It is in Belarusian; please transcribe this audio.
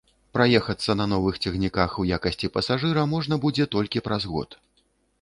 Праехацца на новых цягніках у якасці пасажыра можна будзе толькі праз год.